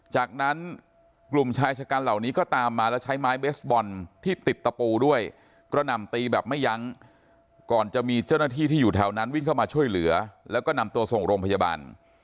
จากนั้นกลุ่มชายชะกันเหล่านี้ก็ตามมาแล้วใช้ไม้เบสบอลที่ติดตะปูด้วยกระหน่ำตีแบบไม่ยั้งก่อนจะมีเจ้าหน้าที่ที่อยู่แถวนั้นวิ่งเข้ามาช่วยเหลือแล้วก็นำตัวส่งโรงพยาบาล